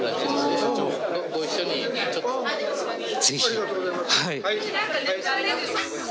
ありがとうございます。